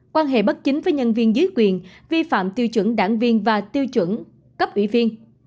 quan hệ bất chính với nhân viên dưới quyền vi phạm tiêu chuẩn đảng viên và tiêu chuẩn cấp ủy viên